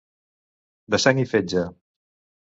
De sang i fetge.